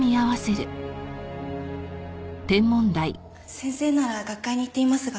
先生なら学会に行っていますが。